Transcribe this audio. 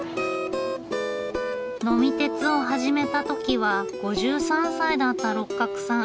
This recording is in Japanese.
「呑み鉄」を始めた時は５３歳だった六角さん。